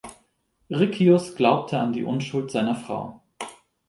Riccius glaubte an die Unschuld seiner Frau.